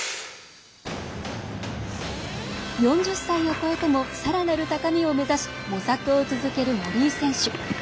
４０歳を超えてもさらなる高みを目指し模索を続ける森井選手。